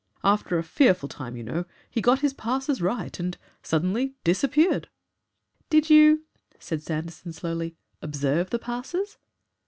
After a fearful time, you know, he got his passes right and suddenly disappeared." "Did you," said Sanderson, slowly, "observe the passes?"